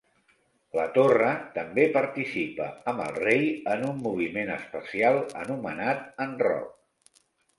La torre també participa, amb el rei, en un moviment especial anomenat enroc.